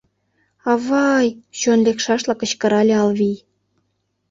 «Ав-ва-ай!» — чон лекшашла кычкырале Алвий.